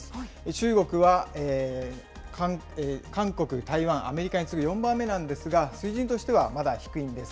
中国は韓国、台湾、アメリカに次ぐ４番目なんですが、水準としてはまだ低いんです。